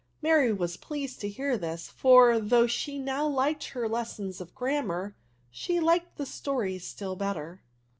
'' Mary was pleased to hear this; for, though she now liked her lessons of grammar, she liked the stories still better.